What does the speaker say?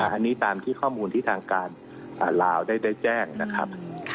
อันนี้ตามที่ข้อมูลที่ทางการลาวได้แจ้งนะครับ